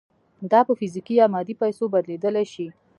دا په فزیکي یا مادي پیسو بدلېدای شي